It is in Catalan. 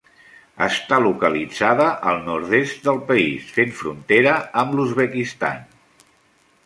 Està localitzada al nord-est país, fent frontera amb l'Uzbekistan.